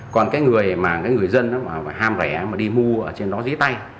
còn cái người mà người dân nó mà ham rẻ mà đi mua ở trên đó giấy tay